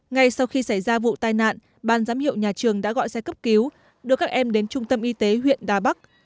ngay sau khi xảy ra vụ tai nạn ban giám hiệu nhà trường đã gọi xe cấp cứu đưa các em đến trung tâm y tế huyện đà bắc